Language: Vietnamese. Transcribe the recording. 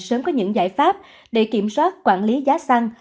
sớm có những giải pháp để kiểm soát quản lý giá xăng